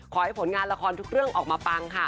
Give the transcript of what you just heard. ผลงานละครทุกเรื่องออกมาปังค่ะ